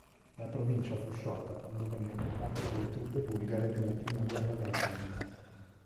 La provincia fu sciolta quando venne occupata dalle truppe bulgare nella prima guerra balcanica.